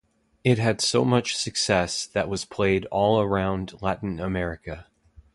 It had so much success that was played all around Latin America.